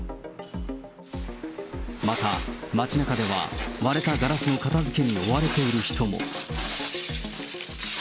また町なかでは、割れたガラスの片づけに追われている人も。